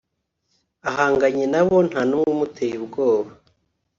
ahanganye nabo nta n’umwe umuteye ubwoba